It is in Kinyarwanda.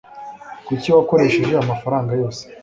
Kuki wakoresheje amafaranga yose?